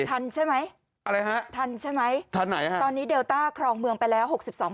ทันใช่ไหมทันใช่ไหมตอนนี้เดลต้าครองเมืองไปแล้ว๖๒